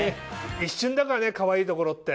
一瞬だからねかわいいところって。